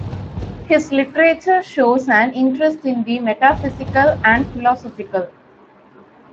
His literature shows an interest in the metaphysical and philosophical.